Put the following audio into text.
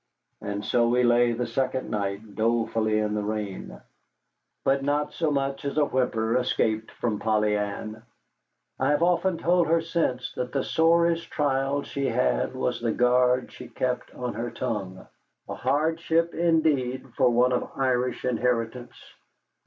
And so we lay the second night dolefully in the rain. But not so much as a whimper escaped from Polly Ann. I have often told her since that the sorest trial she had was the guard she kept on her tongue, a hardship indeed for one of Irish inheritance.